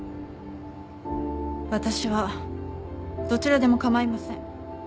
私はどちらでも構いません。